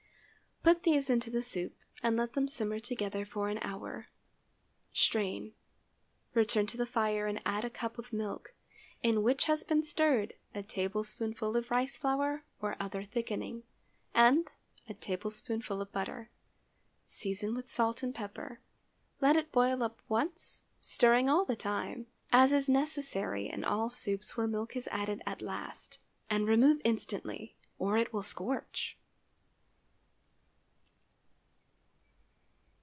Put these into the soup and let them simmer together for an hour. Strain: return to the fire and add a cup of milk—in which has been stirred a tablespoonful of rice flour or other thickening—and a tablespoonful of butter. Season with salt and pepper, let it boil up once, stirring all the time, as is necessary in all soups where milk is added at last, and remove instantly, or it will scorch.